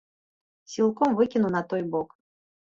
Сілком выкіну на той бок.